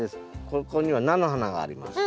ここには菜の花があります。